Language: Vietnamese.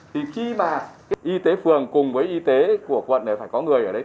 thì khi mà y tế phường cùng với y tế của quận này phải có người ở đấy